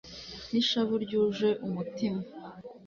n'ishavu ryuje umutima